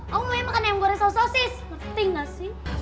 aku mau makan yang goreng saus sausis